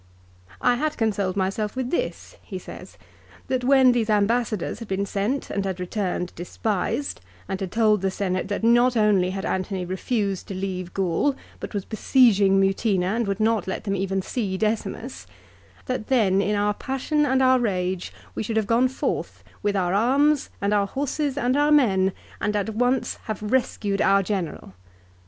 " I had consoled myself with this," he says, " that when these ambassadors had been sent and had returned despised, and had told the Senate that not only had Antony refused to leave Gaul, but was besieging Mutina and would not let them even see Decimus; that then in our passion and our rage we should have gone forth with our arms, and our horses, and our men, and at once have rescued our general.